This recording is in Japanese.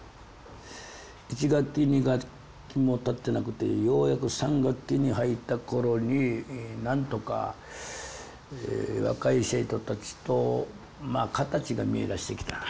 １学期２学期もたってなくてようやく３学期に入った頃に何とか若い生徒たちと形が見えだしてきた。